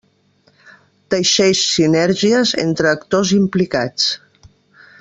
Teixeix sinergies entre actors implicats.